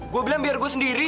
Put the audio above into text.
gue bilang biar gue sendiri